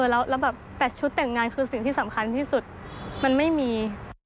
แล้วแบบ๘ชุดแต่งงานคือสิ่งที่สำคัญที่สุดมันไม่มี